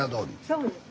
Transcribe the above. そうです。